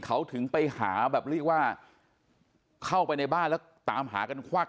เขาถึงไปหาแบบเรียกว่าเข้าไปในบ้านแล้วตามหากันควัก